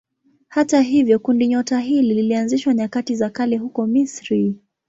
Hata hivyo kundinyota hili lilianzishwa nyakati za kale huko Misri.